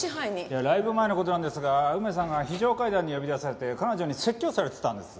いやライブ前の事なんですが梅さんが非常階段に呼び出されて彼女に説教されてたんです。